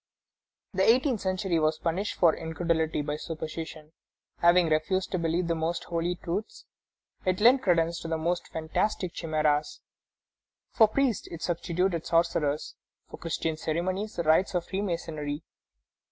The eighteenth century was punished for incredulity by superstition. Having refused to believe the most holy truths, it lent credence to the most fantastic chimeras. For priests it substituted sorcerers; for Christian ceremonies, the rites of freemasonry.